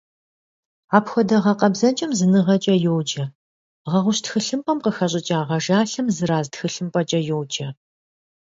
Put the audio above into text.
Апхуэдэ гъэкъэбзэкӀэм зыныгъэкӀэ йоджэ, гъэгъущ тхылъымпӀэм къыхэщӀыкӀа гъэжалъэм — зэраз тхылъымпӀэкӀэ йоджэ.